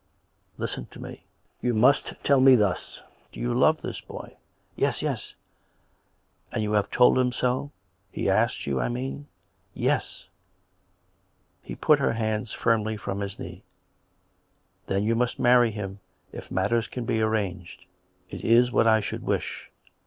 "" Listen to me. You must tell me this. Do you love this boy ?"" Yes, yes." 74 COME RACK! COME ROPE! "And you have told him so? He asked jou, I mean? "" Yes." He put her hands firmly from his knee. " Then you must marry him, if matters can be arranged. It is what I should wish.